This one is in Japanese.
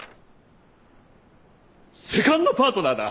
セカンドパートナーだ！